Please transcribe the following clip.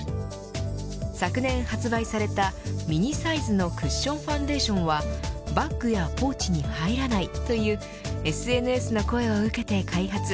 昨年発売されたミニサイズのクッションファンデーションはバッグやポーチに入らないというＳＮＳの声を受けて開発。